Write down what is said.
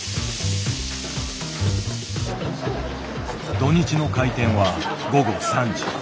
土日の開店は午後３時。